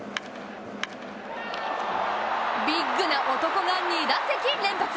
ビッグな男が２打席連発。